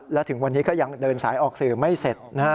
และถึงวันนี้ก็ยังเดินสายออกสื่อไม่เสร็จนะฮะ